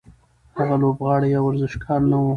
هغه لوبغاړی یا ورزشکار نه و.